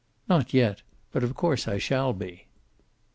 "Not yet. But of course I shall be."